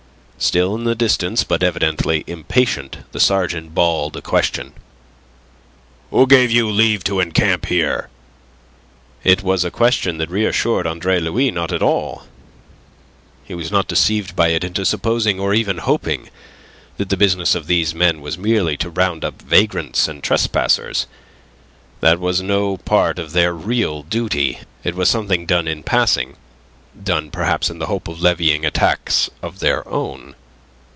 Still in the distance, but evidently impatient, the sergeant bawled a question. "Who gave you leave to encamp here?" It was a question that reassured Andre Louis not at all. He was not deceived by it into supposing or even hoping that the business of these men was merely to round up vagrants and trespassers. That was no part of their real duty; it was something done in passing done, perhaps, in the hope of levying a tax of their own.